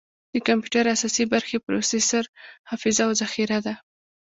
د کمپیوټر اساسي برخې پروسیسر، حافظه، او ذخیره ده.